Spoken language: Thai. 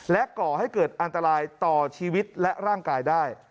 ก่อให้เกิดอันตรายต่อชีวิตและร่างกายได้